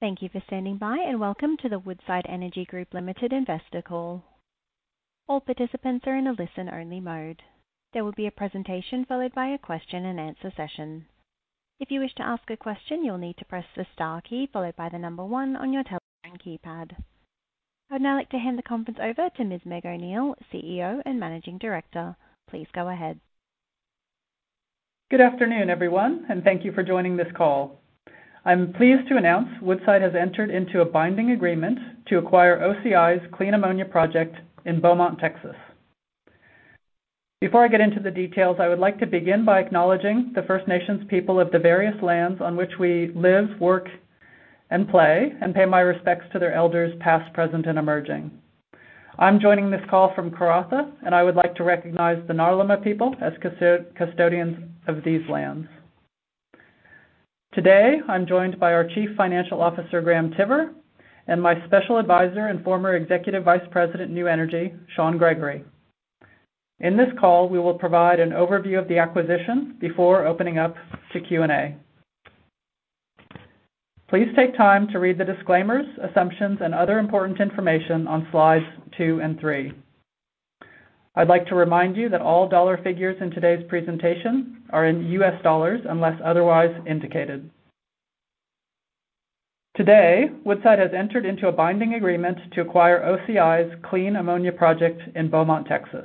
Thank you for standing by, and welcome to the Woodside Energy Group Limited investor call. All participants are in a listen-only mode. There will be a presentation followed by a question-and-answer session. If you wish to ask a question, you'll need to press the star key followed by the number one on your telephone keypad. I'd now like to hand the conference over to Ms. Meg O'Neill, CEO and Managing Director. Please go ahead. Good afternoon, everyone, and thank you for joining this call. I'm pleased to announce Woodside has entered into a binding agreement to acquire OCI's Clean Ammonia project in Beaumont, Texas. Before I get into the details, I would like to begin by acknowledging the First Nations people of the various lands on which we live, work, and play, and pay my respects to their elders, past, present, and emerging. I'm joining this call from Karratha, and I would like to recognize the Ngarluma people as custodians of these lands. Today, I'm joined by our Chief Financial Officer, Graham Tiver, and my Special Advisor and former Executive Vice President, New Energy, Shaun Gregory. In this call, we will provide an overview of the acquisition before opening up to Q&A. Please take time to read the disclaimers, assumptions, and other important information on slides two and three. I'd like to remind you that all dollar figures in today's presentation are in U.S. dollars, unless otherwise indicated. Today, Woodside has entered into a binding agreement to acquire OCI's Clean Ammonia project in Beaumont, Texas.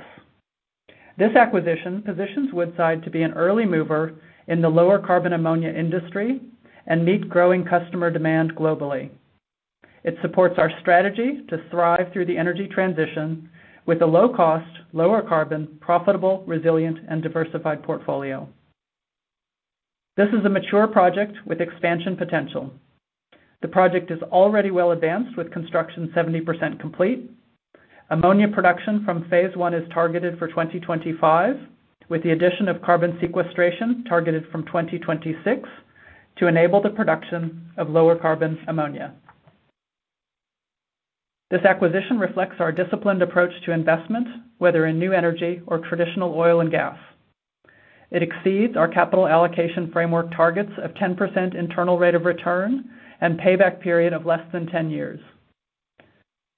This acquisition positions Woodside to be an early mover in the lower carbon ammonia industry and meet growing customer demand globally. It supports our strategy to thrive through the energy transition with a low cost, lower carbon, profitable, resilient, and diversified portfolio. This is a mature project with expansion potential. The project is already well advanced, with construction 70% complete. Ammonia production from phase one is targeted for 2025, with the addition of carbon sequestration targeted from 2026 to enable the production of lower carbon ammonia. This acquisition reflects our disciplined approach to investment, whether in new energy or traditional oil and gas. It exceeds our capital allocation framework targets of 10% internal rate of return and payback period of less than 10 years.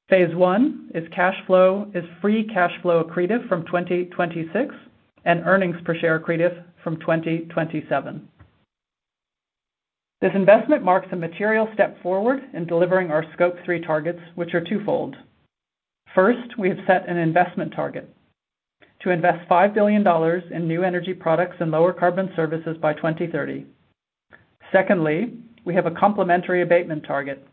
Phase 1, its cash flow... Is free cash flow accretive from 2026 and earnings per share accretive from 2027. This investment marks a material step forward in delivering our Scope 3 targets, which are twofold. First, we have set an investment target: to invest $5 billion in new energy products and lower carbon services by 2030. Secondly, we have a complementary abatement target: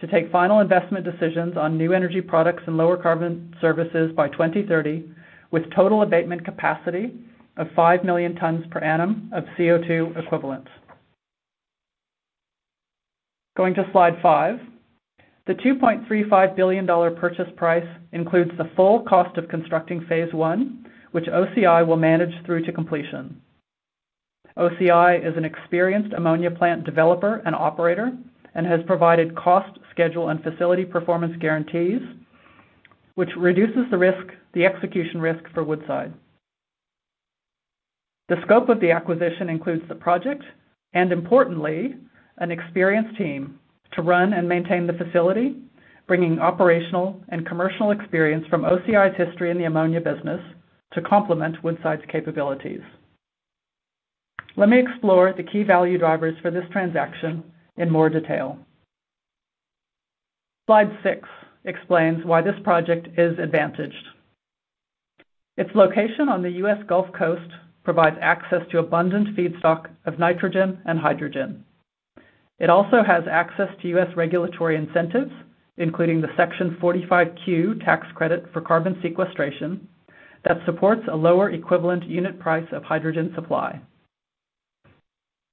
to take final investment decisions on new energy products and lower carbon services by 2030, with total abatement capacity of 5 million tons per annum of CO2 equivalent. Going to slide 5. The $2.35 billion purchase price includes the full cost of constructing Phase 1, which OCI will manage through to completion. OCI is an experienced ammonia plant developer and operator and has provided cost, schedule, and facility performance guarantees, which reduces the risk, the execution risk for Woodside. The scope of the acquisition includes the project and, importantly, an experienced team to run and maintain the facility, bringing operational and commercial experience from OCI's history in the ammonia business to complement Woodside's capabilities. Let me explore the key value drivers for this transaction in more detail. Slide 6 explains why this project is advantaged. Its location on the US Gulf Coast provides access to abundant feedstock of nitrogen and hydrogen. It also has access to US regulatory incentives, including the Section 45Q tax credit for carbon sequestration, that supports a lower equivalent unit price of hydrogen supply.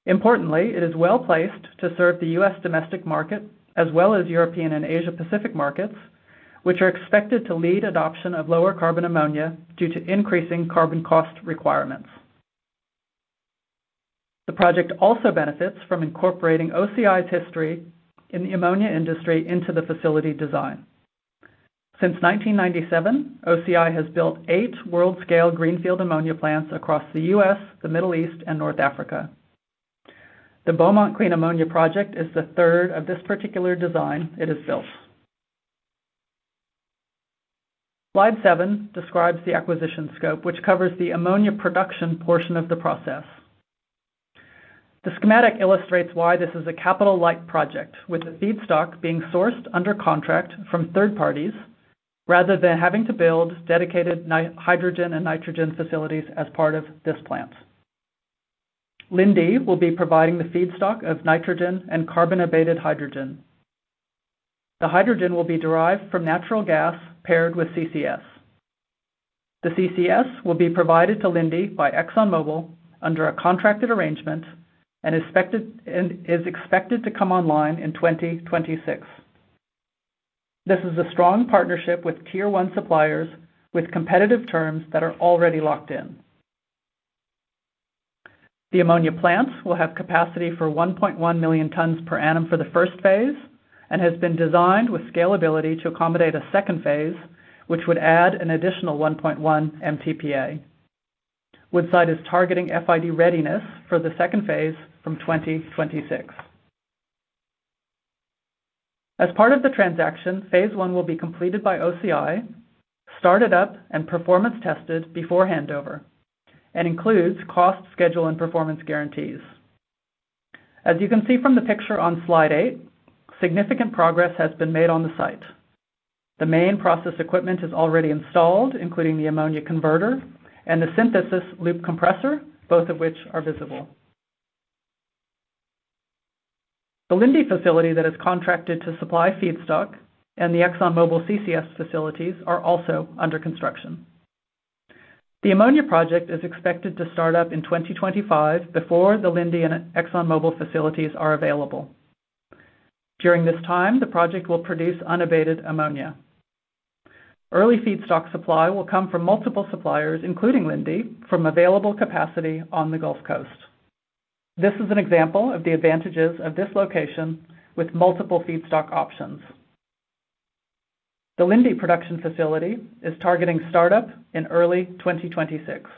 Importantly, it is well-placed to serve the U.S. domestic market, as well as European and Asia Pacific markets, which are expected to lead adoption of lower carbon ammonia due to increasing carbon cost requirements. The project also benefits from incorporating OCI's history in the ammonia industry into the facility design. Since 1997, OCI has built 8 world-scale greenfield ammonia plants across the U.S., the Middle East, and North Africa. The Beaumont Clean Ammonia Project is the third of this particular design it has built. Slide 7 describes the acquisition scope, which covers the ammonia production portion of the process. The schematic illustrates why this is a capital-light project, with the feedstock being sourced under contract from third parties, rather than having to build dedicated hydrogen and nitrogen facilities as part of this plant. Linde will be providing the feedstock of nitrogen and carbon-abated hydrogen. The hydrogen will be derived from natural gas paired with CCS. The CCS will be provided to Linde by ExxonMobil under a contracted arrangement and expected, and is expected to come online in 2026. This is a strong partnership with tier one suppliers, with competitive terms that are already locked in. The ammonia plants will have capacity for 1.1 million tons per annum for the first phase and has been designed with scalability to accommodate a second phase, which would add an additional 1.1 MTPA. Woodside is targeting FID readiness for the second phase from 2026. As part of the transaction, phase one will be completed by OCI, started up and performance tested before handover, and includes cost, schedule and performance guarantees. As you can see from the picture on slide 8, significant progress has been made on the site. The main process equipment is already installed, including the ammonia converter and the synthesis loop compressor, both of which are visible. The Linde facility that is contracted to supply feedstock and the ExxonMobil CCS facilities are also under construction. The ammonia project is expected to start up in 2025, before the Linde and ExxonMobil facilities are available. During this time, the project will produce unabated ammonia. Early feedstock supply will come from multiple suppliers, including Linde, from available capacity on the Gulf Coast. This is an example of the advantages of this location with multiple feedstock options. The Linde production facility is targeting startup in early 2026.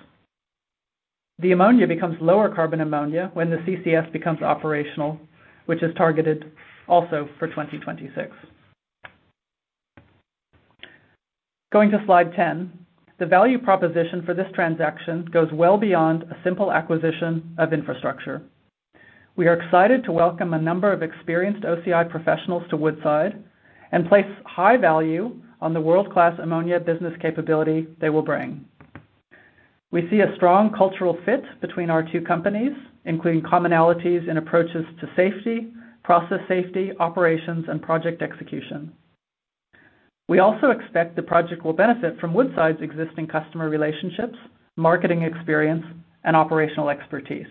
The ammonia becomes lower carbon ammonia when the CCS becomes operational, which is targeted also for 2026. Going to slide 10. The value proposition for this transaction goes well beyond a simple acquisition of infrastructure. We are excited to welcome a number of experienced OCI professionals to Woodside and place high value on the world-class ammonia business capability they will bring. We see a strong cultural fit between our two companies, including commonalities in approaches to safety, process safety, operations, and project execution. We also expect the project will benefit from Woodside's existing customer relationships, marketing experience, and operational expertise.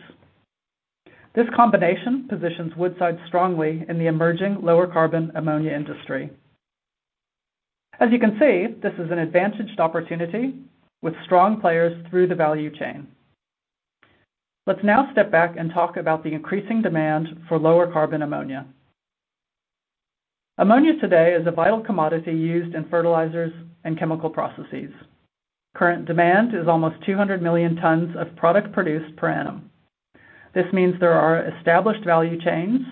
This combination positions Woodside strongly in the emerging lower carbon ammonia industry. As you can see, this is an advantaged opportunity with strong players through the value chain. Let's now step back and talk about the increasing demand for lower carbon ammonia. Ammonia today is a vital commodity used in fertilizers and chemical processes. Current demand is almost 200 million tons of product produced per annum. This means there are established value chains,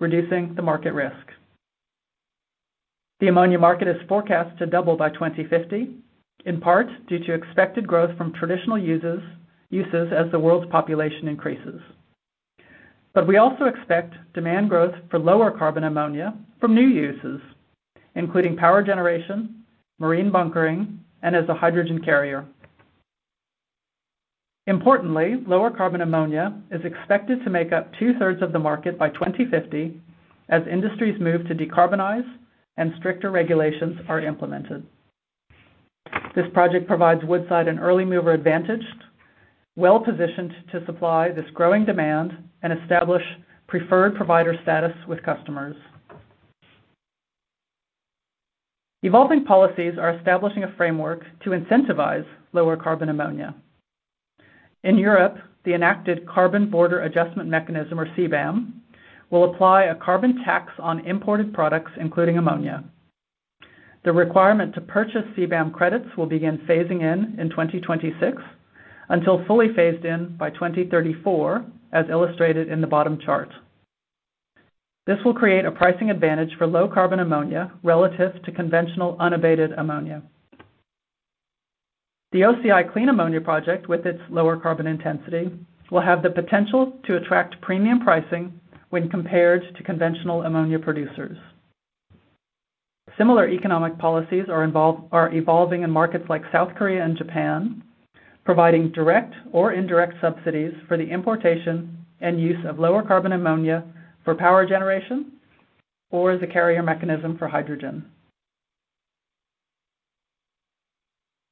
reducing the market risk. The ammonia market is forecast to double by 2050, in part due to expected growth from traditional uses as the world's population increases. But we also expect demand growth for lower carbon ammonia from new uses, including power generation, marine bunkering, and as a hydrogen carrier. Importantly, lower carbon ammonia is expected to make up two-thirds of the market by 2050 as industries move to decarbonize and stricter regulations are implemented. This project provides Woodside an early mover advantage, well-positioned to supply this growing demand and establish preferred provider status with customers. Evolving policies are establishing a framework to incentivize lower carbon ammonia. In Europe, the enacted Carbon Border Adjustment Mechanism, or CBAM, will apply a carbon tax on imported products, including ammonia. The requirement to purchase CBAM credits will begin phasing in in 2026, until fully phased in by 2034, as illustrated in the bottom chart. This will create a pricing advantage for low-carbon ammonia relative to conventional unabated ammonia. The OCI Clean Ammonia project, with its lower carbon intensity, will have the potential to attract premium pricing when compared to conventional ammonia producers. Similar economic policies are evolving in markets like South Korea and Japan, providing direct or indirect subsidies for the importation and use of lower carbon ammonia for power generation or as a carrier mechanism for hydrogen.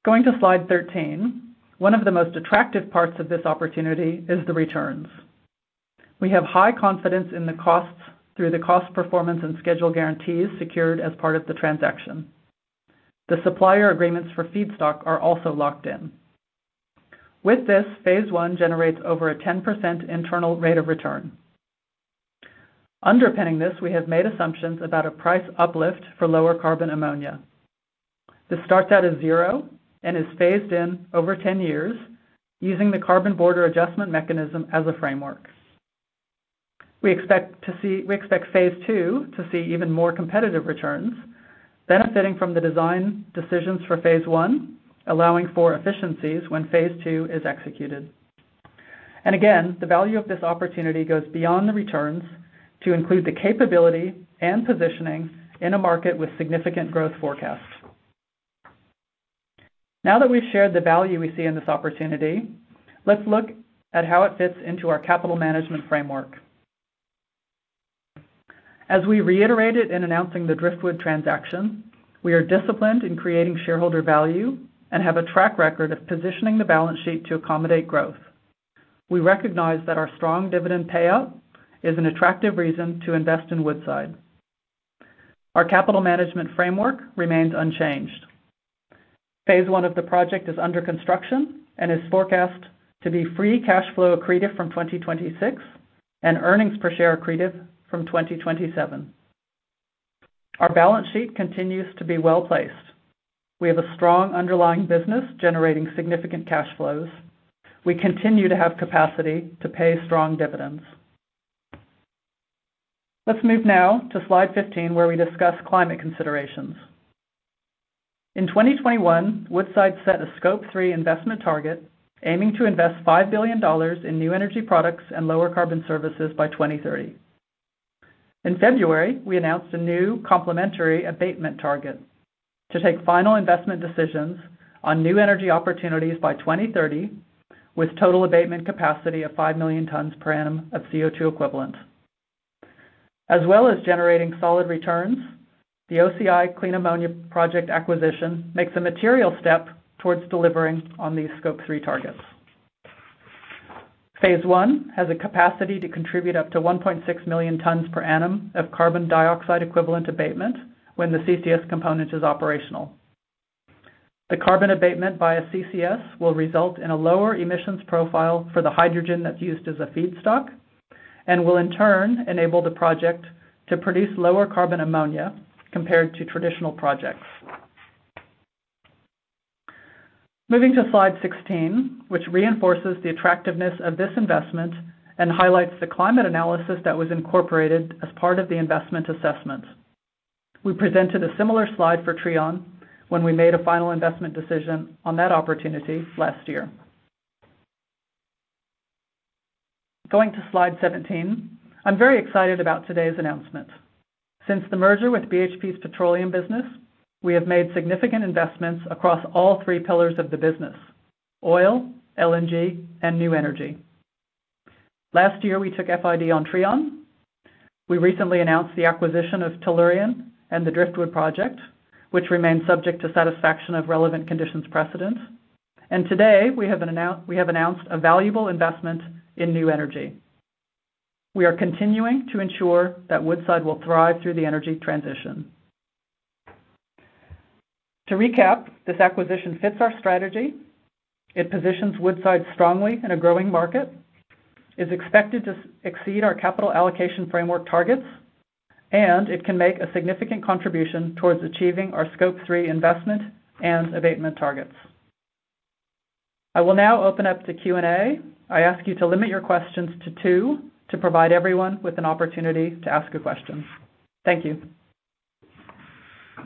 Going to slide 13. One of the most attractive parts of this opportunity is the returns. We have high confidence in the costs through the cost, performance, and schedule guarantees secured as part of the transaction. The supplier agreements for feedstock are also locked in. With this, phase one generates over 10% internal rate of return. Underpinning this, we have made assumptions about a price uplift for lower carbon ammonia. This starts out as zero and is phased in over 10 years using the Carbon Border Adjustment Mechanism as a framework. We expect phase two to see even more competitive returns, benefiting from the design decisions for phase one, allowing for efficiencies when phase two is executed. Again, the value of this opportunity goes beyond the returns to include the capability and positioning in a market with significant growth forecasts. Now that we've shared the value we see in this opportunity, let's look at how it fits into our capital management framework. As we reiterated in announcing the Driftwood transaction, we are disciplined in creating shareholder value and have a track record of positioning the balance sheet to accommodate growth. We recognize that our strong dividend payout is an attractive reason to invest in Woodside. Our capital management framework remains unchanged. Phase one of the project is under construction and is forecast to be free cash flow accretive from 2026 and earnings per share accretive from 2027. Our balance sheet continues to be well-placed. We have a strong underlying business generating significant cash flows. We continue to have capacity to pay strong dividends. Let's move now to slide 15, where we discuss climate considerations. In 2021, Woodside set a Scope 3 investment target, aiming to invest $5 billion in new energy products and lower carbon services by 2030. In February, we announced a new complementary abatement target to take final investment decisions on new energy opportunities by 2030, with total abatement capacity of 5 million tons per annum of CO₂ equivalent. As well as generating solid returns, the OCI Clean Ammonia project acquisition makes a material step towards delivering on these Scope 3 targets. Phase 1 has a capacity to contribute up to 1.6 million tons per annum of carbon dioxide equivalent abatement when the CCS component is operational. The carbon abatement via CCS will result in a lower emissions profile for the hydrogen that's used as a feedstock and will, in turn, enable the project to produce lower carbon ammonia compared to traditional projects. Moving to slide 16, which reinforces the attractiveness of this investment and highlights the climate analysis that was incorporated as part of the investment assessment. We presented a similar slide for Trion when we made a final investment decision on that opportunity last year. Going to slide 17. I'm very excited about today's announcement. Since the merger with BHP's petroleum business, we have made significant investments across all three pillars of the business: oil, LNG, and new energy. Last year, we took FID on Trion. We recently announced the acquisition of Tellurian and the Driftwood Project, which remains subject to satisfaction of relevant conditions precedents. Today, we have announced a valuable investment in new energy. We are continuing to ensure that Woodside will thrive through the energy transition. To recap, this acquisition fits our strategy. It positions Woodside strongly in a growing market, is expected to exceed our capital allocation framework targets, and it can make a significant contribution towards achieving our Scope 3 investment and abatement targets. I will now open up to Q&A. I ask you to limit your questions to two, to provide everyone with an opportunity to ask a question. Thank you.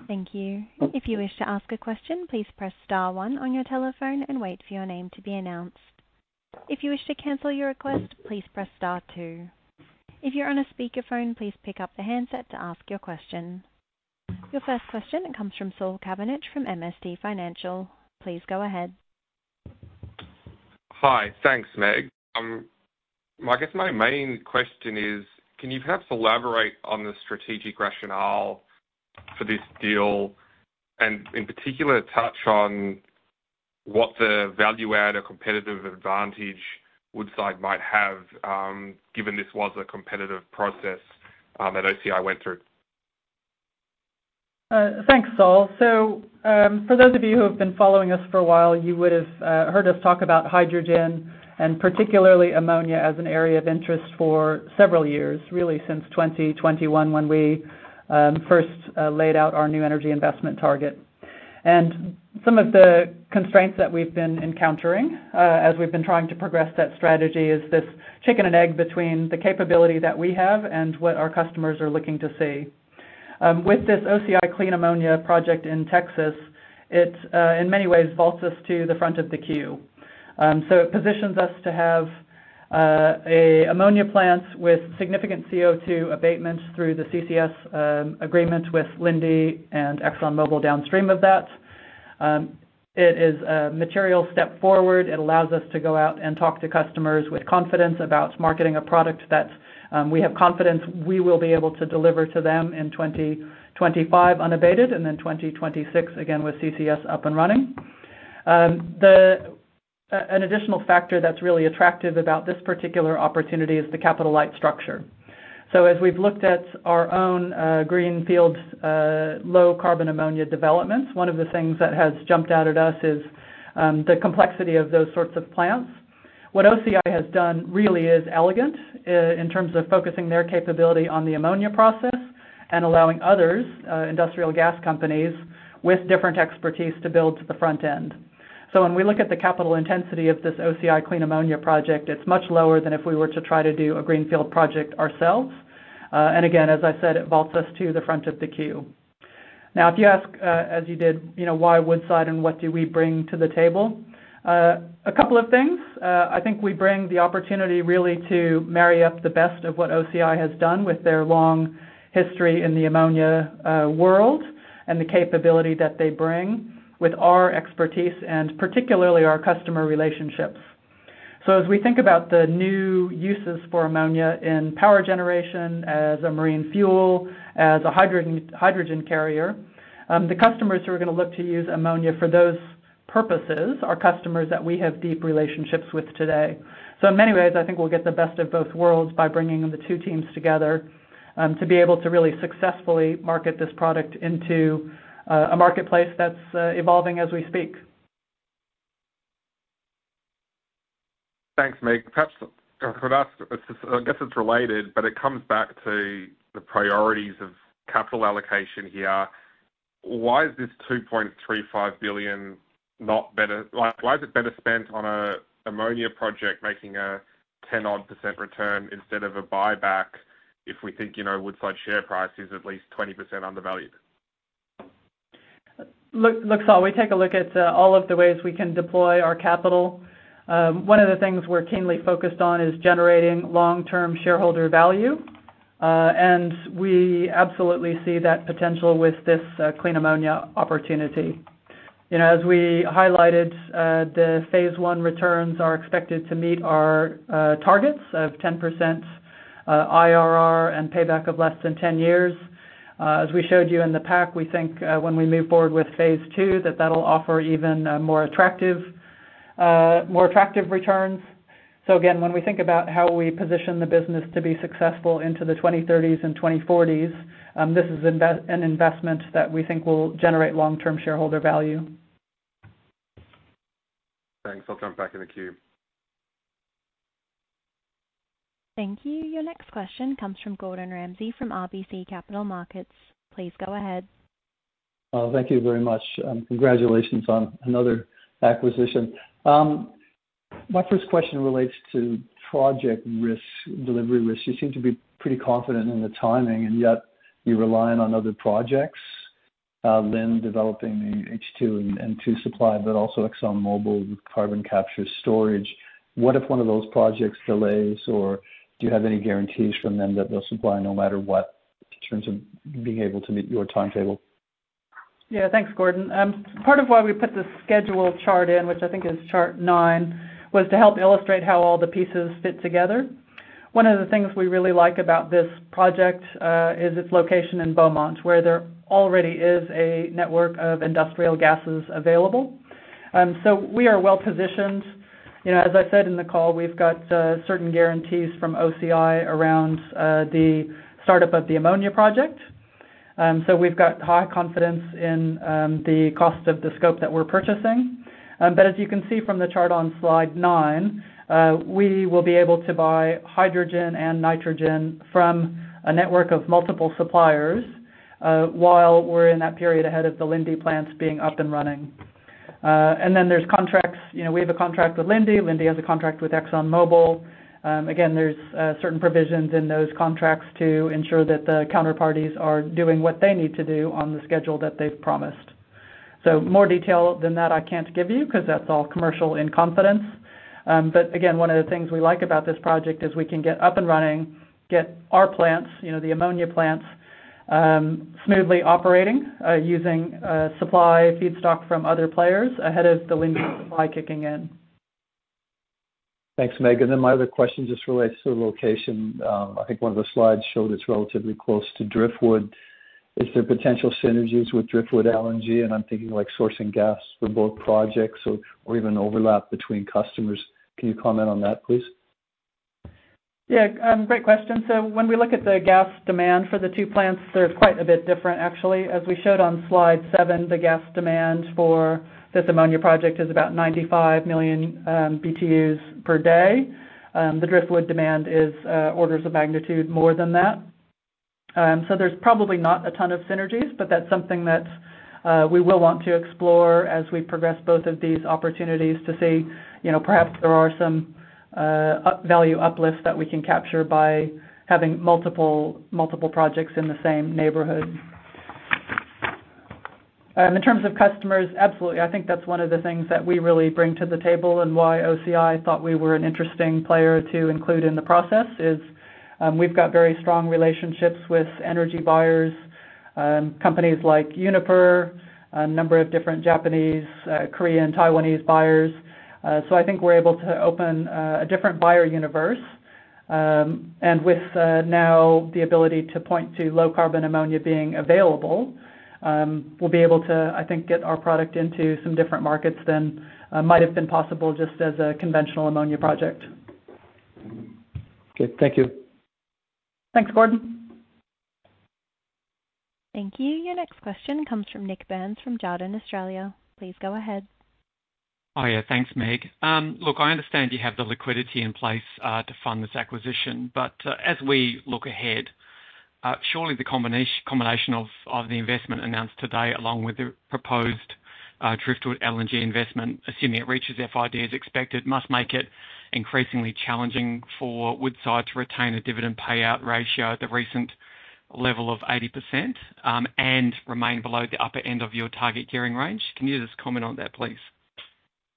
Thank you. If you wish to ask a question, please press star one on your telephone and wait for your name to be announced. If you wish to cancel your request, please press star two. If you're on a speakerphone, please pick up the handset to ask your question. Your first question comes from Saul Kavanagh, from MST Financial. Please go ahead. Hi. Thanks, Meg. I guess my main question is, can you perhaps elaborate on the strategic rationale for this deal and, in particular, touch on what the value add or competitive advantage Woodside might have, given this was a competitive process, that OCI went through? Thanks, Saul. So, for those of you who have been following us for a while, you would have heard us talk about hydrogen and particularly ammonia, as an area of interest for several years, really, since 2021, when we first laid out our new energy investment target. And some of the constraints that we've been encountering, as we've been trying to progress that strategy, is this chicken and egg between the capability that we have and what our customers are looking to see. With this OCI Clean Ammonia project in Texas, it, in many ways, vaults us to the front of the queue. So it positions us to have a ammonia plant with significant CO2 abatements through the CCS agreement with Linde and ExxonMobil downstream of that. It is a material step forward. It allows us to go out and talk to customers with confidence about marketing a product that, we have confidence we will be able to deliver to them in 2025, unabated, and then 2026, again, with CCS up and running. An additional factor that's really attractive about this particular opportunity is the capital light structure. So as we've looked at our own, greenfield, low-carbon ammonia developments, one of the things that has jumped out at us is, the complexity of those sorts of plants. What OCI has done really is elegant, in terms of focusing their capability on the ammonia process and allowing others, industrial gas companies with different expertise to build to the front end. So when we look at the capital intensity of this OCI Clean Ammonia project, it's much lower than if we were to try to do a greenfield project ourselves. And again, as I said, it vaults us to the front of the queue. Now, if you ask, as you did, you know, why Woodside and what do we bring to the table? A couple of things. I think we bring the opportunity really to marry up the best of what OCI has done with their long history in the ammonia world and the capability that they bring with our expertise and particularly our customer relationships. So as we think about the new uses for ammonia in power generation, as a marine fuel, as a hydrogen, hydrogen carrier, the customers who are gonna look to use ammonia for those purposes are customers that we have deep relationships with today. So in many ways, I think we'll get the best of both worlds by bringing the two teams together, to be able to really successfully market this product into, a marketplace that's, evolving as we speak.... Thanks, Meg. Perhaps I could ask, it's just, I guess it's related, but it comes back to the priorities of capital allocation here. Why is this $2.35 billion not better? Like, why is it better spent on an ammonia project making a 10%-odd return instead of a buyback, if we think, you know, Woodside share price is at least 20% undervalued? Look, look, Saul, we take a look at all of the ways we can deploy our capital. One of the things we're keenly focused on is generating long-term shareholder value. And we absolutely see that potential with this clean ammonia opportunity. You know, as we highlighted, the phase one returns are expected to meet our targets of 10% IRR and payback of less than 10 years. As we showed you in the pack, we think, when we move forward with phase two, that that'll offer even more attractive returns. So again, when we think about how we position the business to be successful into the 2030s and 2040s, this is an investment that we think will generate long-term shareholder value. Thanks. I'll turn it back in the queue. Thank you. Your next question comes from Gordon Ramsay, from RBC Capital Markets. Please go ahead. Thank you very much, and congratulations on another acquisition. My first question relates to project risk, delivery risk. You seem to be pretty confident in the timing, and yet you're relying on other projects, Linde developing the H2 and N2 supply, but also ExxonMobil carbon capture storage. What if one of those projects delays, or do you have any guarantees from them that they'll supply no matter what, in terms of being able to meet your timetable? Yeah. Thanks, Gordon. Part of why we put the schedule chart in, which I think is chart 9, was to help illustrate how all the pieces fit together. One of the things we really like about this project is its location in Beaumont, where there already is a network of industrial gases available. So we are well positioned. You know, as I said in the call, we've got certain guarantees from OCI around the startup of the ammonia project. So we've got high confidence in the cost of the scope that we're purchasing. But as you can see from the chart on slide 9, we will be able to buy hydrogen and nitrogen from a network of multiple suppliers while we're in that period ahead of the Linde plants being up and running. And then there's contracts. You know, we have a contract with Linde. Linde has a contract with ExxonMobil. Again, there's certain provisions in those contracts to ensure that the counterparties are doing what they need to do on the schedule that they've promised. So more detail than that I can't give you, 'cause that's all commercial in confidence. But again, one of the things we like about this project is we can get up and running, get our plants, you know, the ammonia plants, smoothly operating, using supply feedstock from other players ahead of the Linde supply kicking in. Thanks, Meg. Then my other question just relates to the location. I think one of the slides showed it's relatively close to Driftwood. Is there potential synergies with Driftwood LNG, and I'm thinking like sourcing gas for both projects or, or even overlap between customers? Can you comment on that, please? Yeah, great question. So when we look at the gas demand for the two plants, they're quite a bit different, actually. As we showed on slide 7, the gas demand for this ammonia project is about 95 million BTUs per day. The Driftwood demand is orders of magnitude more than that. So there's probably not a ton of synergies, but that's something that we will want to explore as we progress both of these opportunities to see, you know, perhaps there are some value uplifts that we can capture by having multiple projects in the same neighborhood. In terms of customers, absolutely. I think that's one of the things that we really bring to the table and why OCI thought we were an interesting player to include in the process, is, we've got very strong relationships with energy buyers, companies like Uniper, a number of different Japanese, Korean, Taiwanese buyers. So I think we're able to open, a different buyer universe, and with, now the ability to point to low-carbon ammonia being available, we'll be able to, I think, get our product into some different markets than, might have been possible just as a conventional ammonia project. Okay. Thank you. Thanks, Gordon. Thank you. Your next question comes from Nik Burns from Jarden Australia. Please go ahead. Oh, yeah, thanks, Meg. Look, I understand you have the liquidity in place to fund this acquisition, but as we look ahead, surely the combination of the investment announced today, along with the proposed Driftwood LNG investment, assuming it reaches FID, as expected, must make it increasingly challenging for Woodside to retain a dividend payout ratio at the recent level of 80%, and remain below the upper end of your target gearing range. Can you just comment on that, please?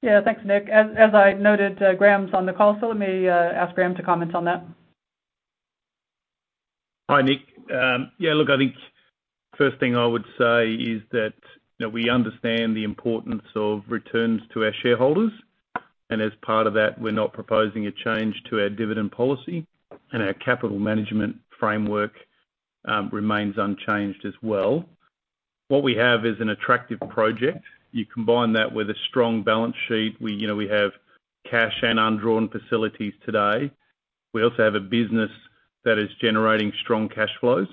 Yeah, thanks, Nik. As I noted, Graham's on the call, so let me ask Graham to comment on that. Hi, Nik. Yeah, look, I think first thing I would say is that, that we understand the importance of returns to our shareholders, and as part of that, we're not proposing a change to our dividend policy, and our capital management framework remains unchanged as well. What we have is an attractive project. You combine that with a strong balance sheet. We, you know, we have cash and undrawn facilities today. We also have a business that is generating strong cash flows....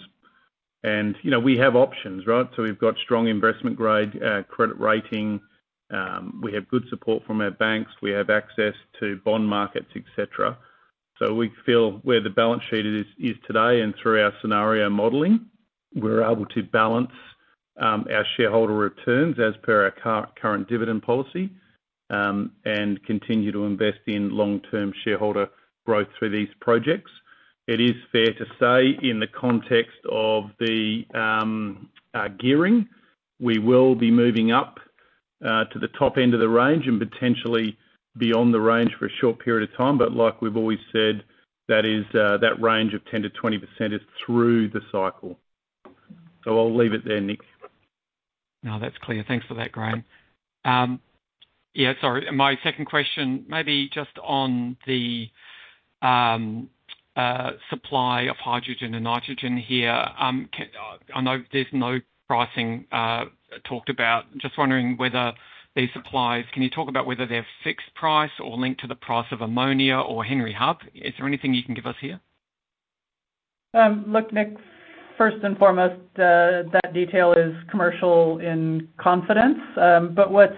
You know, we have options, right? So we've got strong investment grade credit rating. We have good support from our banks. We have access to bond markets, et cetera. So we feel where the balance sheet is, is today, and through our scenario modeling, we're able to balance our shareholder returns as per our current dividend policy, and continue to invest in long-term shareholder growth through these projects. It is fair to say, in the context of the gearing, we will be moving up to the top end of the range and potentially beyond the range for a short period of time. But like we've always said, that is, that range of 10%-20% is through the cycle. So I'll leave it there, Nik. No, that's clear. Thanks for that, Graham. Sorry, my second question, maybe just on the supply of hydrogen and nitrogen here. Can I know there's no pricing talked about. Just wondering whether these supplies, can you talk about whether they're fixed price or linked to the price of ammonia or Henry Hub? Is there anything you can give us here? Look, Nik, first and foremost, that detail is commercial in confidence. But what's,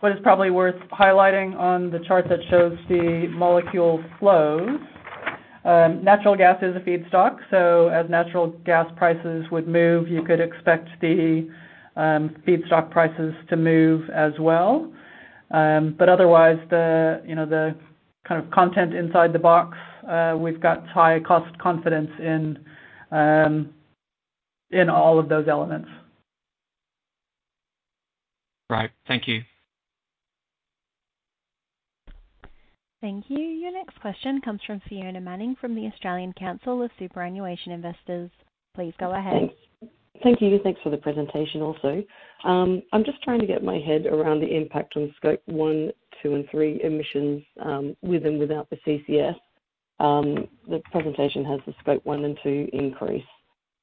what is probably worth highlighting on the chart that shows the molecule flows, natural gas is a feedstock, so as natural gas prices would move, you could expect the, feedstock prices to move as well. But otherwise, the, you know, the kind of content inside the box, we've got high cost confidence in, in all of those elements. Right. Thank you. Thank you. Your next question comes from Fiona Manning, from the Australian Council of Superannuation Investors. Please go ahead. Thanks. Thank you. Thanks for the presentation also. I'm just trying to get my head around the impact on scope 1, 2, and 3 emissions, with and without the CCS. The presentation has the scope 1 and 2 increase,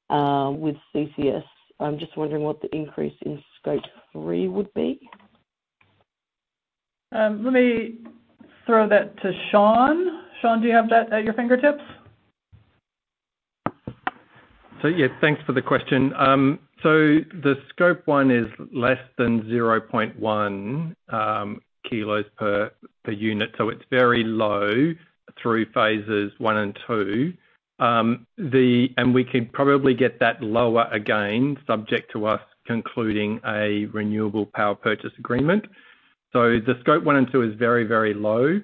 with CCS. I'm just wondering what the increase in scope 3 would be? Let me throw that to Shaun. Shaun, do you have that at your fingertips? So, yeah, thanks for the question. So the Scope 1 is less than 0.1 kilos per unit, so it's very low through phases 1 and 2. And we can probably get that lower again, subject to us concluding a renewable power purchase agreement. So the Scope 1 and 2 is very, very low.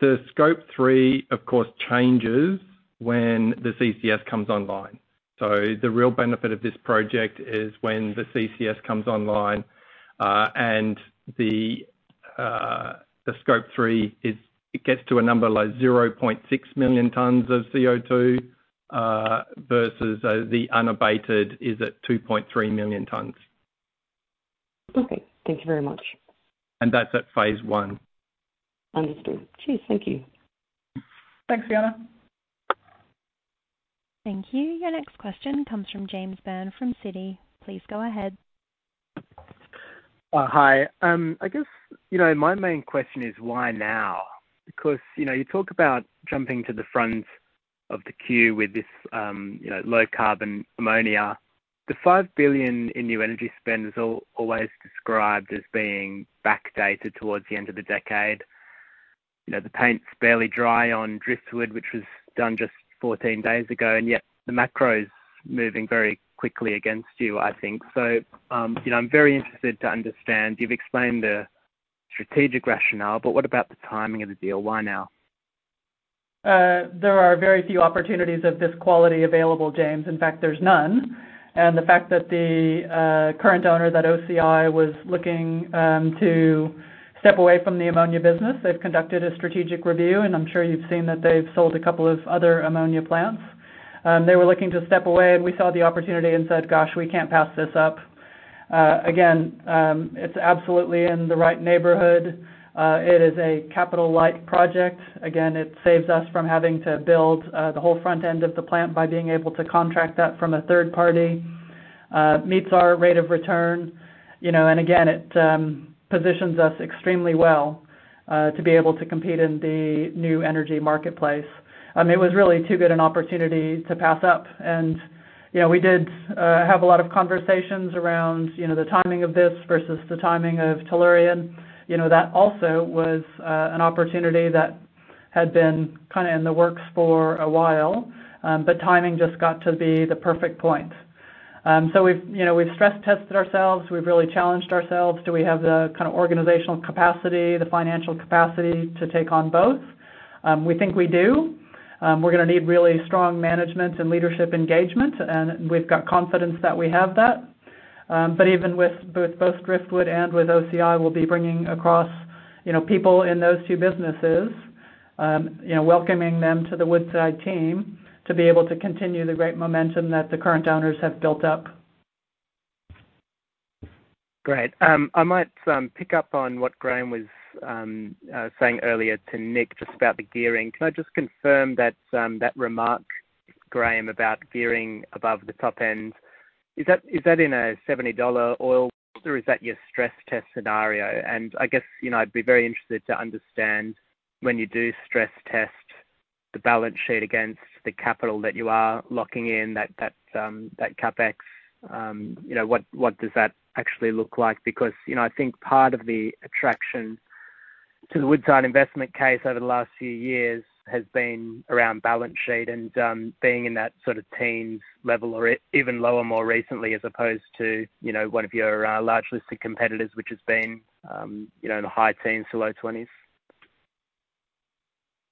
The Scope 3, of course, changes when the CCS comes online. So the real benefit of this project is when the CCS comes online, and the Scope 3, it gets to a number like 0.6 million tons of CO2, versus the unabated is at 2.3 million tons. Okay. Thank you very much. That's at phase one. Understood. Cheers, thank you. Thanks, Fiona. Thank you. Your next question comes from James Byrne from Citi. Please go ahead. Hi. I guess, you know, my main question is, why now? Because, you know, you talk about jumping to the front of the queue with this, you know, low-carbon ammonia. The $5 billion in new energy spend is always described as being backdated towards the end of the decade. You know, the paint's barely dry on Driftwood, which was done just 14 days ago, and yet the macro is moving very quickly against you, I think. So, you know, I'm very interested to understand. You've explained the strategic rationale, but what about the timing of the deal? Why now? There are very few opportunities of this quality available, James. In fact, there's none. And the fact that the current owner, that OCI, was looking to step away from the ammonia business, they've conducted a strategic review, and I'm sure you've seen that they've sold a couple of other ammonia plants. They were looking to step away, and we saw the opportunity and said, "Gosh, we can't pass this up." Again, it's absolutely in the right neighborhood. It is a capital light project. Again, it saves us from having to build the whole front end of the plant by being able to contract that from a third party. Meets our rate of return, you know, and again, it positions us extremely well to be able to compete in the new energy marketplace. I mean, it was really too good an opportunity to pass up. And, you know, we did have a lot of conversations around, you know, the timing of this versus the timing of Tellurian. You know, that also was an opportunity that had been kind of in the works for a while, but timing just got to be the perfect point. So we've, you know, we've stress tested ourselves, we've really challenged ourselves. Do we have the kind of organizational capacity, the financial capacity to take on both? We think we do. We're going to need really strong management and leadership engagement, and we've got confidence that we have that. But even with both, both Driftwood and with OCI, we'll be bringing across, you know, people in those two businesses, you know, welcoming them to the Woodside team, to be able to continue the great momentum that the current owners have built up. Great. I might pick up on what Graham was saying earlier to Nik, just about the gearing. Can I just confirm that that remark, Graham, about gearing above the top end, is that, is that in a $70 oil price, or is that your stress test scenario? And I guess, you know, I'd be very interested to understand, when you do stress test the balance sheet against the capital that you are locking in, that that CapEx, you know, what what does that actually look like? Because, you know, I think part of the attraction to the Woodside investment case over the last few years has been around balance sheet and being in that sort of teens level or even lower more recently, as opposed to, you know, one of your large listed competitors, which has been, you know, in the high teens to low twenties.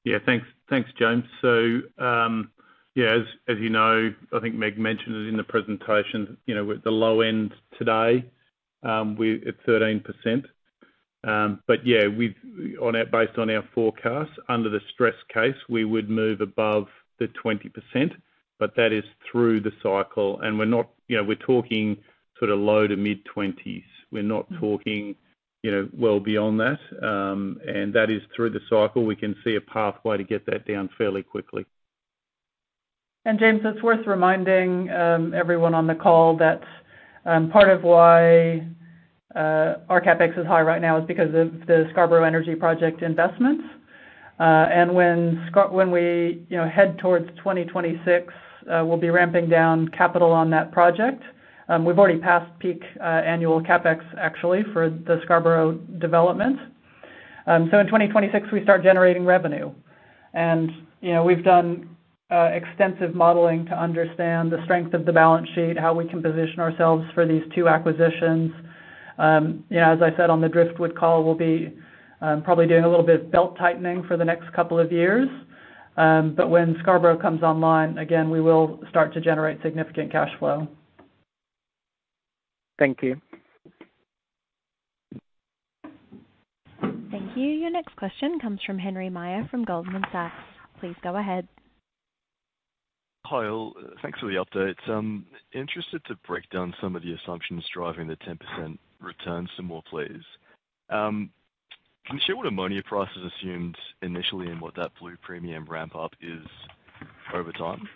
Yeah, thanks. Thanks, James. So, yeah, as you know, I think Meg mentioned it in the presentation, you know, with the low end today, we at 13%. But yeah, based on our forecast, under the stress case, we would move above the 20%, but that is through the cycle, and we're not, you know, we're talking sort of low to mid-20s. We're not talking, you know, well beyond that, and that is through the cycle. We can see a pathway to get that down fairly quickly. And James, it's worth reminding everyone on the call that part of why our CapEx is high right now is because of the Scarborough Energy Project investments. And when we, you know, head towards 2026, we'll be ramping down capital on that project. We've already passed peak annual CapEx, actually, for the Scarborough development. So in 2026, we start generating revenue. And, you know, we've done extensive modeling to understand the strength of the balance sheet, how we can position ourselves for these two acquisitions. You know, as I said on the Driftwood call, we'll be probably doing a little bit of belt-tightening for the next couple of years. But when Scarborough comes online, again, we will start to generate significant cash flow. Thank you. Thank you. Your next question comes from Henry Meyer from Goldman Sachs. Please go ahead. Hi all. Thanks for the update. Interested to break down some of the assumptions driving the 10% return some more, please. Can you share what ammonia price is assumed initially and what that blue premium ramp up is over time?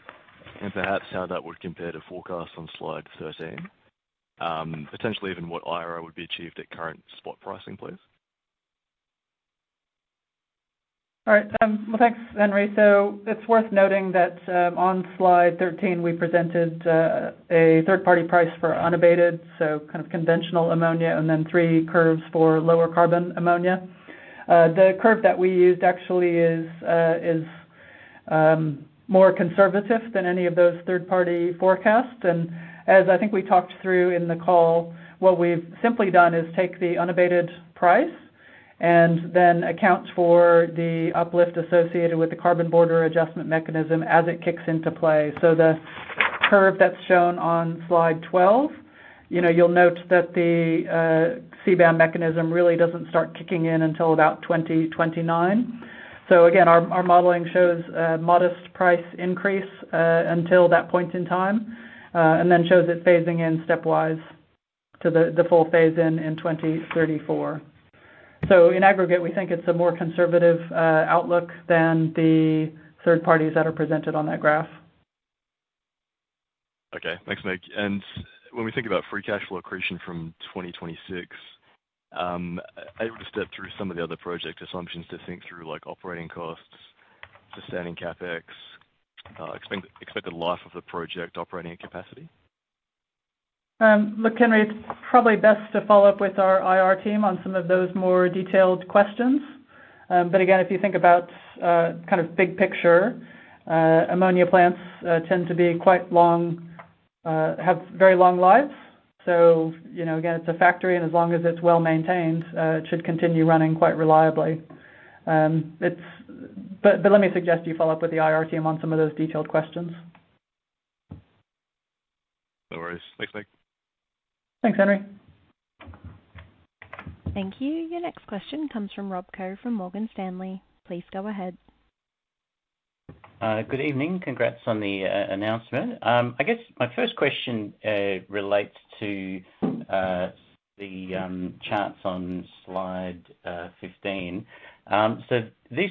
And perhaps how that would compare to forecast on slide 13. Potentially even what IRR would be achieved at current spot pricing, please. All right, well, thanks, Henry. So it's worth noting that on slide 13, we presented a third-party price for unabated, so kind of conventional ammonia, and then three curves for lower carbon ammonia. The curve that we used actually is more conservative than any of those third-party forecasts. And as I think we talked through in the call, what we've simply done is take the unabated price and then account for the uplift associated with the carbon border adjustment mechanism as it kicks into play. So the curve that's shown on slide 12, you know, you'll note that the CBAM mechanism really doesn't start kicking in until about 2029. So again, our modeling shows a modest price increase until that point in time, and then shows it phasing in stepwise to the full phase in in 2034. So in aggregate, we think it's a more conservative outlook than the third parties that are presented on that graph. Okay. Thanks, Meg. When we think about free cash flow accretion from 2026, able to step through some of the other project assumptions to think through, like operating costs, sustaining CapEx, expected life of the project, operating at capacity? Look, Henry, it's probably best to follow up with our IR team on some of those more detailed questions. But again, if you think about, kind of big picture, ammonia plants tend to be quite long, have very long lives. So, you know, again, it's a factory, and as long as it's well maintained, it should continue running quite reliably. But let me suggest you follow up with the IR team on some of those detailed questions. No worries. Thanks, Meg. Thanks, Henry. Thank you. Your next question comes from Rob Koh from Morgan Stanley. Please go ahead. Good evening. Congrats on the announcement. I guess my first question relates to the charts on slide 15. So this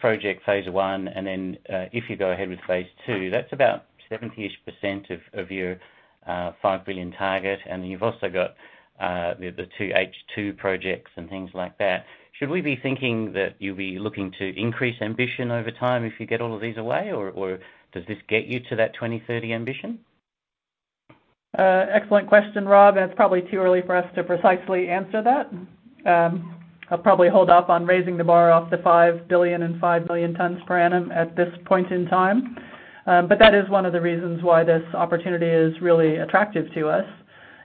project, phase 1, and then if you go ahead with phase 2, that's about 70-ish% of your $5 billion target, and you've also got the two H2 projects and things like that. Should we be thinking that you'll be looking to increase ambition over time if you get all of these away, or does this get you to that 2030 ambition? Excellent question, Rob, and it's probably too early for us to precisely answer that. I'll probably hold off on raising the bar off the 5 billion and 5 million tons per annum at this point in time. But that is one of the reasons why this opportunity is really attractive to us.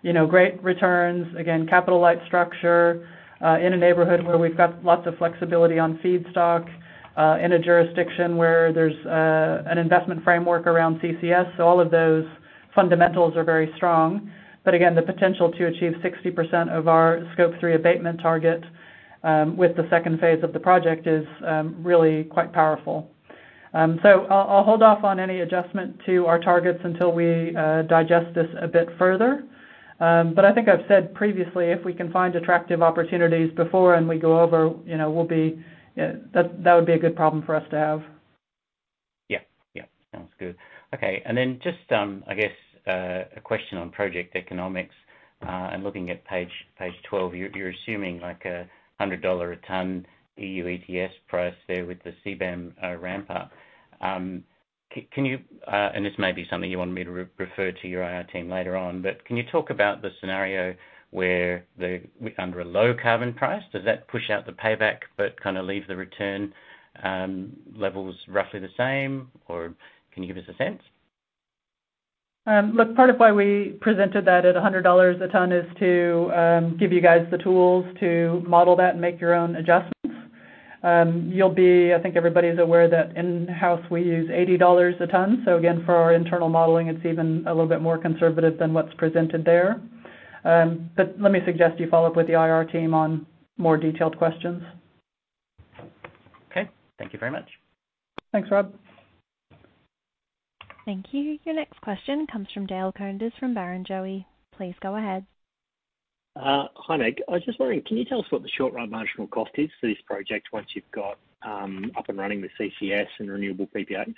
You know, great returns, again, capital-light structure, in a neighborhood where we've got lots of flexibility on feedstock, in a jurisdiction where there's an investment framework around CCS. So all of those fundamentals are very strong. But again, the potential to achieve 60% of our Scope 3 abatement target, with the second phase of the project is really quite powerful. So I'll hold off on any adjustment to our targets until we digest this a bit further. But I think I've said previously, if we can find attractive opportunities before and we go over, you know, we'll be, that would be a good problem for us to have.... Yeah, yeah. Sounds good. Okay, and then just, I guess, a question on project economics. And looking at page 12, you're assuming like a $100 a ton EU ETS price there with the CBAM ramp up. Can you... And this may be something you want me to refer to your IR team later on, but can you talk about the scenario where under a low carbon price, does that push out the payback, but kind of leave the return levels roughly the same? Or can you give us a sense? Look, part of why we presented that at $100 a ton is to give you guys the tools to model that and make your own adjustments. I think everybody's aware that in-house, we use $80 a ton, so again, for our internal modeling, it's even a little bit more conservative than what's presented there. But let me suggest you follow up with the IR team on more detailed questions. Okay. Thank you very much. Thanks, Rob. Thank you. Your next question comes from Dale Koenders from Barrenjoey. Please go ahead. Hi, Meg. I was just wondering, can you tell us what the short-run marginal cost is for this project once you've got up and running the CCS and renewable PPAs?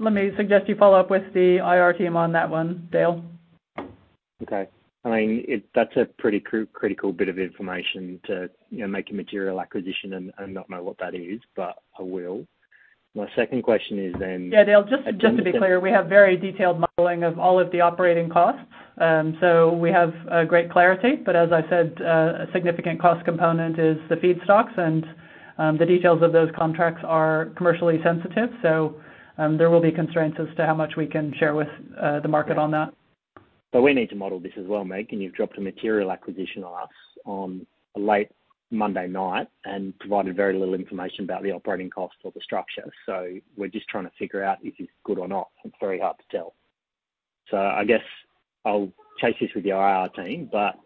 Let me suggest you follow up with the IR team on that one, Dale. Okay. I mean, that's a pretty critical bit of information to, you know, make a material acquisition and not know what that is, but I will. My second question is then- Yeah, Dale, just to be clear, we have very detailed modeling of all of the operating costs. So we have great clarity, but as I said, a significant cost component is the feedstocks, and the details of those contracts are commercially sensitive. So there will be constraints as to how much we can share with the market on that. But we need to model this as well, Meg, and you've dropped a material acquisition on us on a late Monday night and provided very little information about the operating costs or the structure. So we're just trying to figure out if it's good or not. It's very hard to tell. So I guess I'll chase this with your IR team, but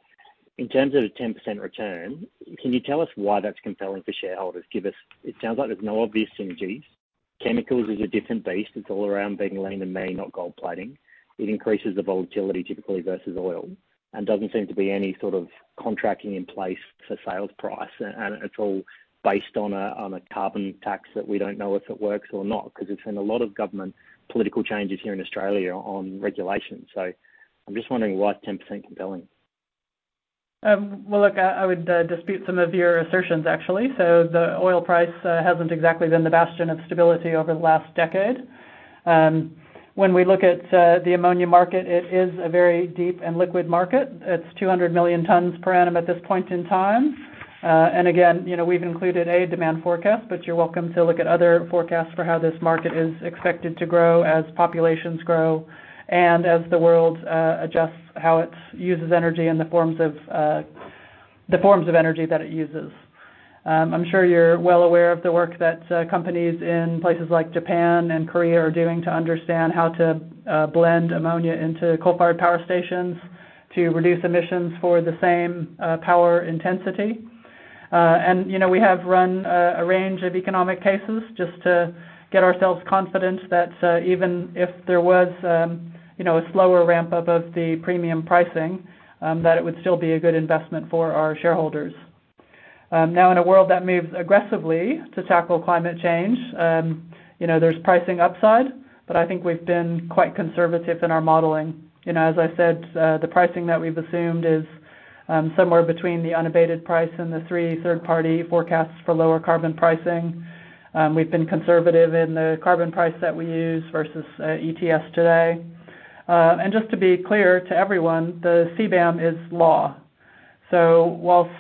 in terms of a 10% return, can you tell us why that's compelling for shareholders? Give us... It sounds like there's no obvious synergies. Chemicals is a different beast. It's all around being lean and mean, not gold plating. It increases the volatility typically versus oil, and doesn't seem to be any sort of contracting in place for sales price, and it's all based on a carbon tax that we don't know if it works or not, 'cause it's been a lot of government political changes here in Australia on regulation. So I'm just wondering why 10% compelling? Well, look, I would dispute some of your assertions, actually. So the oil price hasn't exactly been the bastion of stability over the last decade. When we look at the ammonia market, it is a very deep and liquid market. It's 200 million tons per annum at this point in time. And again, you know, we've included a demand forecast, but you're welcome to look at other forecasts for how this market is expected to grow as populations grow and as the world adjusts how it uses energy in the forms of the forms of energy that it uses. I'm sure you're well aware of the work that companies in places like Japan and Korea are doing to understand how to blend ammonia into coal-fired power stations to reduce emissions for the same power intensity. And, you know, we have run a range of economic cases just to get ourselves confident that even if there was, you know, a slower ramp up of the premium pricing, that it would still be a good investment for our shareholders. Now, in a world that moves aggressively to tackle climate change, you know, there's pricing upside, but I think we've been quite conservative in our modeling. You know, as I said, the pricing that we've assumed is somewhere between the unabated price and the three third-party forecasts for lower carbon pricing. We've been conservative in the carbon price that we use versus ETS today. And just to be clear to everyone, the CBAM is law. So while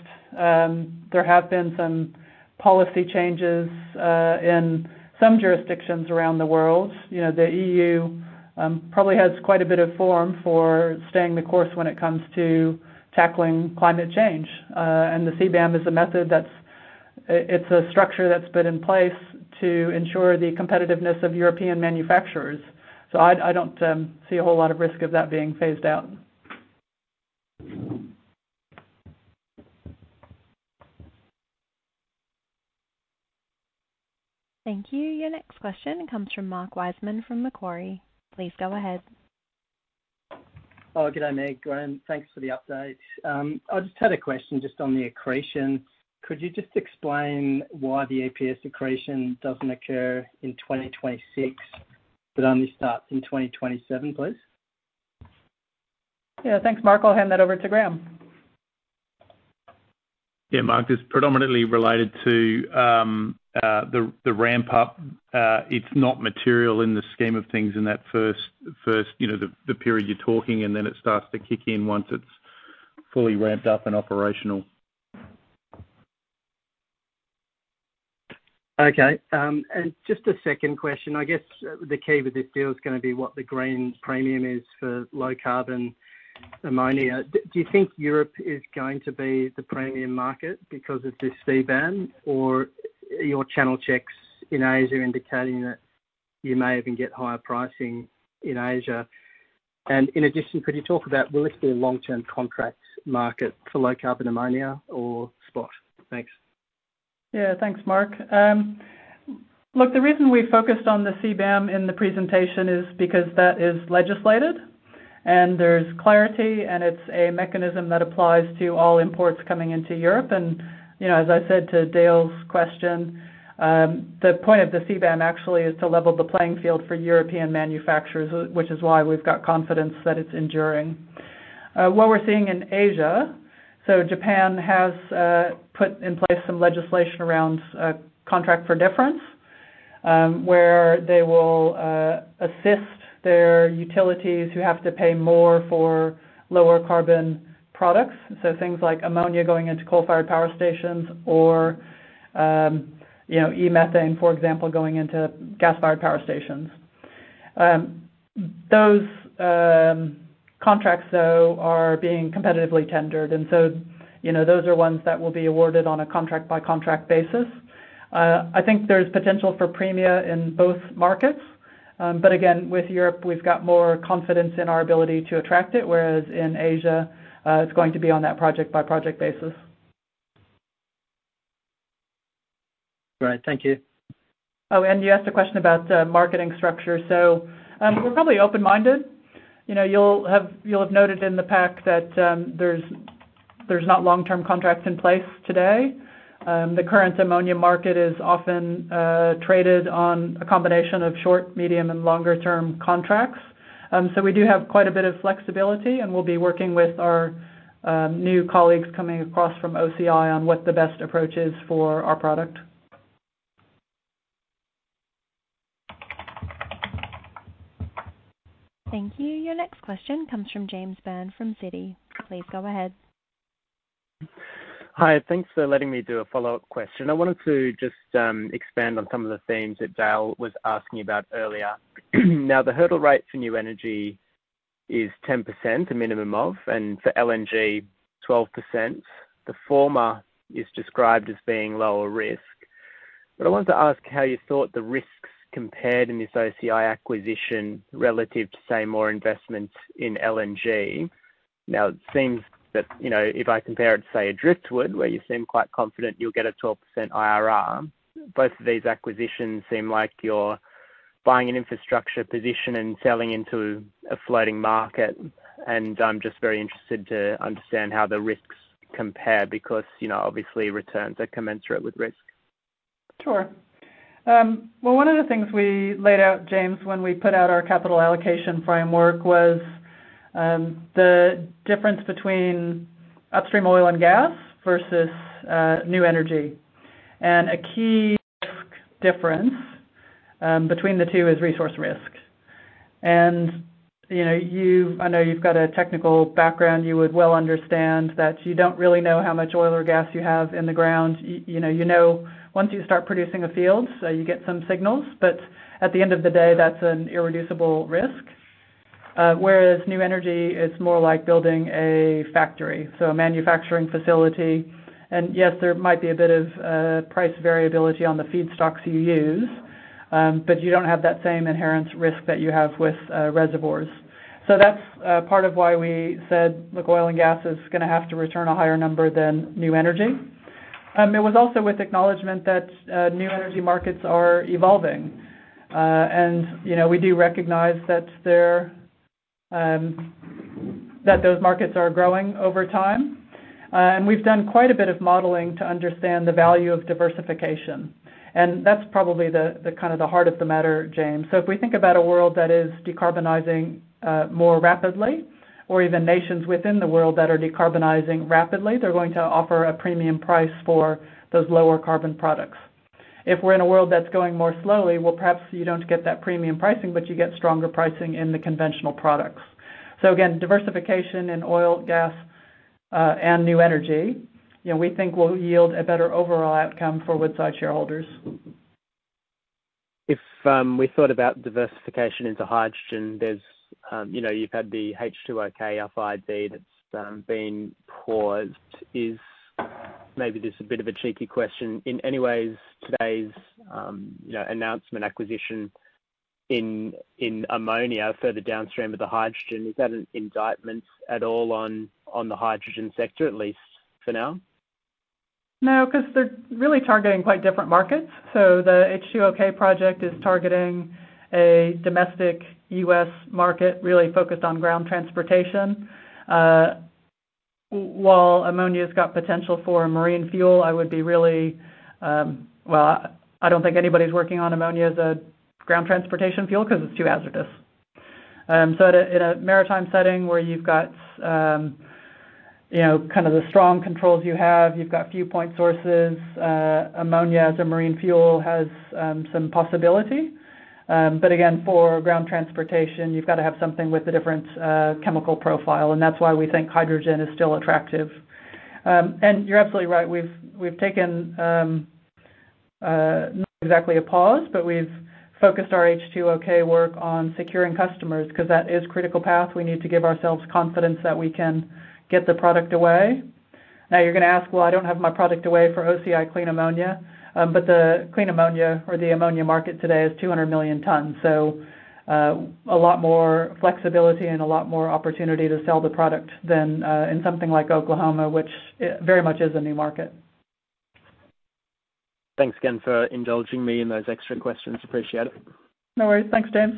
there have been some policy changes in some jurisdictions around the world, you know, the EU probably has quite a bit of form for staying the course when it comes to tackling climate change. And the CBAM is a method that's... it's a structure that's been in place to ensure the competitiveness of European manufacturers. So I don't see a whole lot of risk of that being phased out. Thank you. Your next question comes from Mark Wiseman, from Macquarie. Please go ahead. Oh, good day, Meg, Graham. Thanks for the update. I just had a question just on the accretion. Could you just explain why the EPS accretion doesn't occur in 2026, but only starts in 2027, please? Yeah. Thanks, Mark. I'll hand that over to Graham. Yeah, Mark, it's predominantly related to the ramp up. It's not material in the scheme of things in that first, you know, the period you're talking, and then it starts to kick in once it's fully ramped up and operational. Okay. Just a second question. I guess the key with this deal is gonna be what the green premium is for low-carbon ammonia. Do you think Europe is going to be the premium market because of this CBAM? Or are your channel checks in Asia indicating that you may even get higher pricing in Asia? And in addition, could you talk about, will it be a long-term contract market for low carbon ammonia or spot? Thanks. Yeah. Thanks, Mark. Look, the reason we focused on the CBAM in the presentation is because that is legislated, and there's clarity, and it's a mechanism that applies to all imports coming into Europe. And, you know, as I said to Dale's question, the point of the CBAM actually is to level the playing field for European manufacturers, which is why we've got confidence that it's enduring. What we're seeing in Asia, so Japan has put in place some legislation around contract for difference, where they will assist their utilities who have to pay more for lower carbon products. So things like ammonia going into coal-fired power stations or, you know, E-methane, for example, going into gas-fired power stations. Those contracts, though, are being competitively tendered, and so, you know, those are ones that will be awarded on a contract-by-contract basis. I think there's potential for premia in both markets, but again, with Europe, we've got more confidence in our ability to attract it, whereas in Asia, it's going to be on that project-by-project basis. Great. Thank you. Oh, and you asked a question about marketing structure. So, we're probably open-minded. You know, you'll have noted in the pack that there's not long-term contracts in place today. The current ammonia market is often traded on a combination of short, medium, and longer-term contracts. So we do have quite a bit of flexibility, and we'll be working with our new colleagues coming across from OCI on what the best approach is for our product. Thank you. Your next question comes from James Byrne from Citi. Please go ahead. Hi, thanks for letting me do a follow-up question. I wanted to just expand on some of the themes that Dale was asking about earlier. Now, the hurdle rate for new energy is 10%, a minimum of, and for LNG, 12%. The former is described as being lower risk. But I wanted to ask how you thought the risks compared in this OCI acquisition relative to, say, more investments in LNG. Now, it seems that, you know, if I compare it to, say, a Driftwood, where you seem quite confident you'll get a 12% IRR, both of these acquisitions seem like you're buying an infrastructure position and selling into a floating market. I'm just very interested to understand how the risks compare, because, you know, obviously, returns are commensurate with risk. Sure. Well, one of the things we laid out, James, when we put out our capital allocation framework was the difference between upstream oil and gas versus new energy. And a key difference between the two is resource risk. And, you know, you—I know you've got a technical background. You would well understand that you don't really know how much oil or gas you have in the ground. You know, once you start producing a field, so you get some signals, but at the end of the day, that's an irreducible risk. Whereas new energy is more like building a factory, so a manufacturing facility. And yes, there might be a bit of price variability on the feedstocks you use, but you don't have that same inherent risk that you have with reservoirs. So that's part of why we said, look, oil and gas is gonna have to return a higher number than new energy. It was also with acknowledgment that new energy markets are evolving. And, you know, we do recognize that they're that those markets are growing over time, and we've done quite a bit of modeling to understand the value of diversification. And that's probably the, the kind of the heart of the matter, James. So if we think about a world that is decarbonizing more rapidly, or even nations within the world that are decarbonizing rapidly, they're going to offer a premium price for those lower carbon products. If we're in a world that's going more slowly, well, perhaps you don't get that premium pricing, but you get stronger pricing in the conventional products. So again, diversification in oil, gas, and new energy, you know, we think will yield a better overall outcome for Woodside shareholders. If we thought about diversification into hydrogen, there's, you know, you've had the H2OK FID that's been paused. Is... Maybe this is a bit of a cheeky question. In any ways, today's, you know, announcement acquisition in, in ammonia, further downstream of the hydrogen, is that an indictment at all on, on the hydrogen sector, at least for now? No, 'cause they're really targeting quite different markets. So the H2OK project is targeting a domestic US market, really focused on ground transportation. While ammonia's got potential for marine fuel, I would be really... Well, I don't think anybody's working on ammonia as a ground transportation fuel 'cause it's too hazardous. So in a maritime setting where you've got, you know, kind of the strong controls you have, you've got a few point sources, ammonia as a marine fuel has some possibility. But again, for ground transportation, you've got to have something with a different chemical profile, and that's why we think hydrogen is still attractive. And you're absolutely right. We've taken, not exactly a pause, but we've focused our H2OK work on securing customers because that is critical path. We need to give ourselves confidence that we can get the product away. Now, you're gonna ask, well, I don't have my product away for OCI Clean Ammonia, but the clean ammonia or the ammonia market today is 200 million tons. So, a lot more flexibility and a lot more opportunity to sell the product than, in something like Oklahoma, which, very much is a new market. Thanks again for indulging me in those extra questions. Appreciate it. No worries. Thanks, James.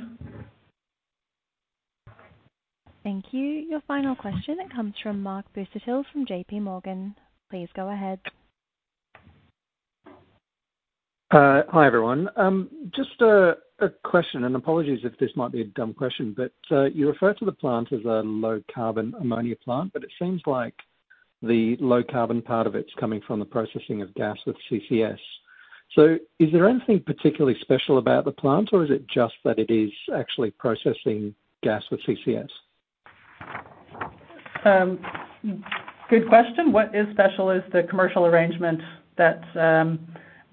Thank you. Your final question comes from Mark Busuttil from J.P. Morgan. Please go ahead. Hi, everyone. Just a question, and apologies if this might be a dumb question, but you refer to the plant as a low-carbon ammonia plant, but it seems like the low-carbon part of it's coming from the processing of gas with CCS. So is there anything particularly special about the plant, or is it just that it is actually processing gas with CCS? Good question. What is special is the commercial arrangement that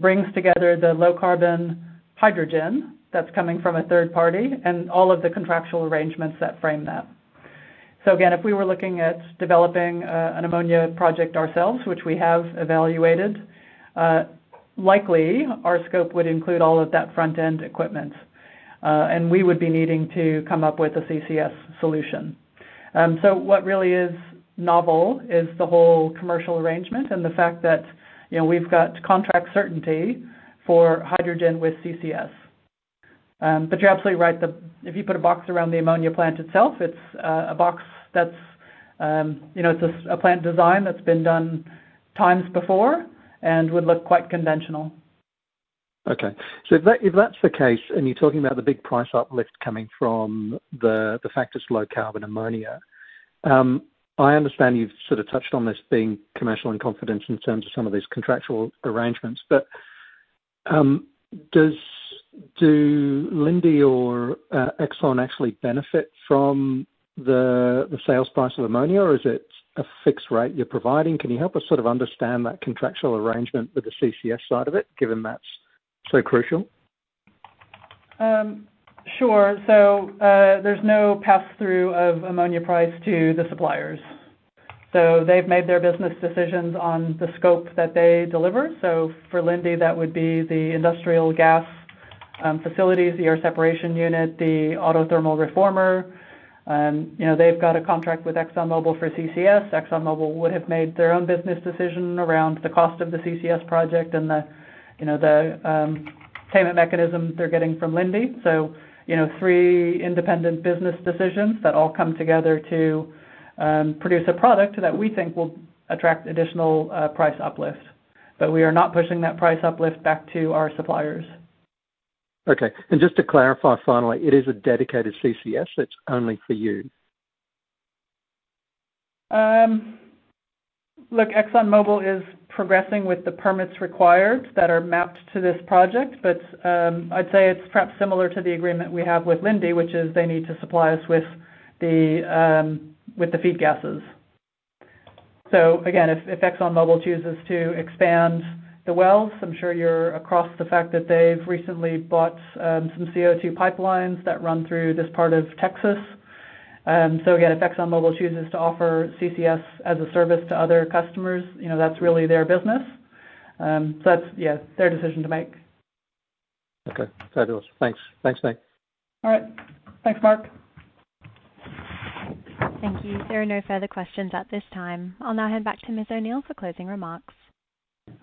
brings together the low-carbon hydrogen that's coming from a third party and all of the contractual arrangements that frame that. So again, if we were looking at developing an ammonia project ourselves, which we have evaluated, likely our scope would include all of that front-end equipment, and we would be needing to come up with a CCS solution. So what really is novel is the whole commercial arrangement and the fact that, you know, we've got contract certainty for hydrogen with CCS. But you're absolutely right. If you put a box around the ammonia plant itself, it's a box that's, you know, it's a plant design that's been done times before and would look quite conventional. Okay. So if that, if that's the case, and you're talking about the big price uplift coming from the fact it's low carbon ammonia, I understand you've sort of touched on this being commercial in confidence in terms of some of these contractual arrangements, but, does Linde or Exxon actually benefit from the sales price of ammonia, or is it a fixed rate you're providing? Can you help us sort of understand that contractual arrangement with the CCS side of it, given that's so crucial? Sure. So, there's no pass-through of ammonia price to the suppliers. So they've made their business decisions on the scope that they deliver. So for Linde, that would be the industrial gas facilities, the air separation unit, the autothermal reformer. You know, they've got a contract with ExxonMobil for CCS. ExxonMobil would have made their own business decision around the cost of the CCS project and the, you know, the, payment mechanism they're getting from Linde. So, you know, three independent business decisions that all come together to, produce a product that we think will attract additional, price uplift. But we are not pushing that price uplift back to our suppliers. Okay. And just to clarify, finally, it is a dedicated CCS that's only for you? Look, ExxonMobil is progressing with the permits required that are mapped to this project, but I'd say it's perhaps similar to the agreement we have with Linde, which is they need to supply us with the feed gases. So again, if ExxonMobil chooses to expand the wells, I'm sure you're across the fact that they've recently bought some CO2 pipelines that run through this part of Texas. So again, if ExxonMobil chooses to offer CCS as a service to other customers, you know, that's really their business. So that's, yeah, their decision to make. Okay, fabulous. Thanks. Thanks, Meg. All right. Thanks, Mark. Thank you. There are no further questions at this time. I'll now head back to Ms. O'Neill for closing remarks.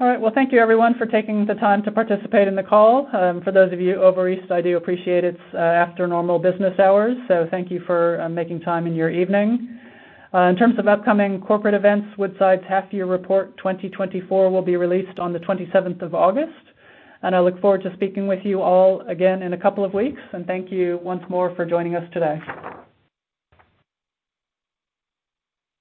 All right. Well, thank you, everyone, for taking the time to participate in the call. For those of you over east, I do appreciate it's after normal business hours, so thank you for making time in your evening. In terms of upcoming corporate events, Woodside's Half-Year Report 2024 will be released on the 27th of August, and I look forward to speaking with you all again in a couple of weeks. Thank you once more for joining us today.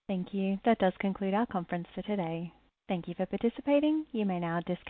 Thank you. That does conclude our conference for today. Thank you for participating. You may now disconnect.